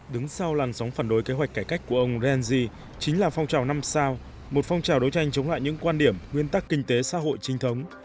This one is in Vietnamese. đứng sau làn sóng phản đối kế hoạch cải cách của ông rensi chính là phong trào năm sao một phong trào đấu tranh chống lại những quan điểm nguyên tắc kinh tế xã hội trinh thống